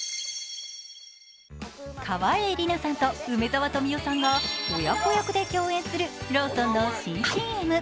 川栄李奈さんと梅沢富美男さんが親子役で共演するローソンの新ＣＭ。